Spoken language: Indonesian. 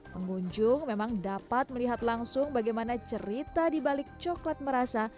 pengunjung memang dapat melihat langsung bagaimana cerita di balik coklat merasa